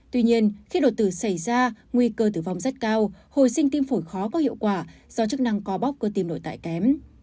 tuy nhiên khi đột tử xảy ra nguy cơ tử vong rất cao hồi sinh tim phổi khó có hiệu quả do chức năng co bóc cơ tim nội tại kém